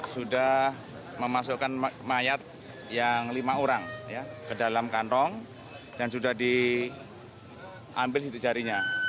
sudah memasukkan mayat yang lima orang ke dalam kantong dan sudah diambil siti jarinya